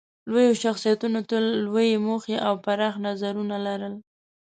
لویو شخصیتونو تل لویې موخې او پراخ نظرونه لرل.